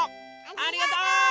ありがとう！